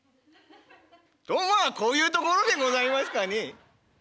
とまあこういうところでございますかね」。